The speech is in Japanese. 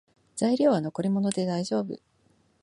材料は残り物でだいじょうぶ